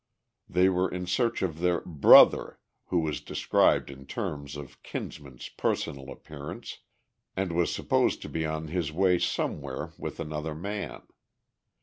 They were in search of their "brother," who was described in terms of Kinsman's personal appearance, and was supposed to be on his way somewhere with another man.